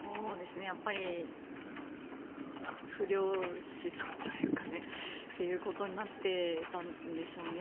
やっぱり不良資産ということになっていたんでしょうね。